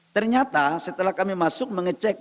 ternyata setelah kami masuk mengecek